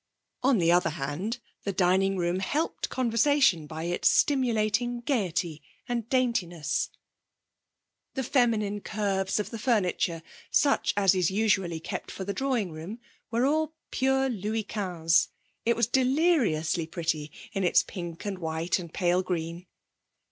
On the other hand, the dining room helped conversation by its stimulating gaiety and daintiness. The feminine curves of the furniture, such as is usually kept for the drawing room, were all pure Louis Quinze. It was deliriously pretty in its pink and white and pale green.